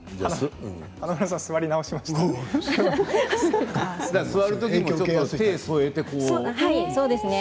華丸さん座り直しましたね。